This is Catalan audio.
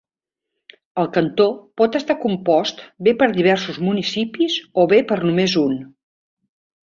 El cantó pot estar compost bé per diversos municipis, o bé per només un.